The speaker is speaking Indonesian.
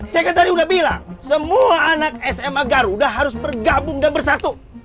saya kan tadi udah bilang semua anak sma garuda harus bergabung dan bersatu